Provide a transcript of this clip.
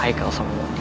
aikal dan mondi